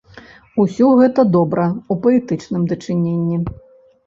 Усё гэта добра ў паэтычным дачыненні.